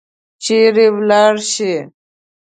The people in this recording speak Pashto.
چیرې ولاړي شي؟